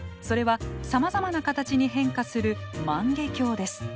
それはさまざまな形に変化する万華鏡です。